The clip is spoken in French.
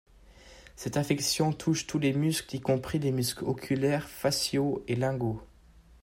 Cette affection touche tous les muscles y compris les muscles oculaires, faciaux et linguaux.